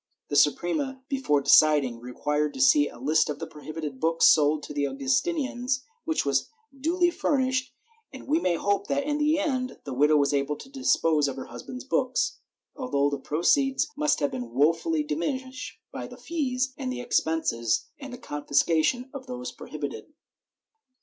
The Suprema, before deciding, required to see a list of the prohibited books sold to the Augustinians, which was duly furnished, and we may hope that, in the end, the widow was able to dispose of her husband's books, although the proceeds must have been wofully diminished by the fees and expenses and the confiscation of those prohibited.